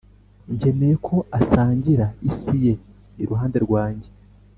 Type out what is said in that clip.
nkeneye ko asangira isi ye iruhande rwanjye